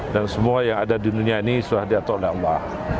dan semua yang ada di dunia ini suhadiatullah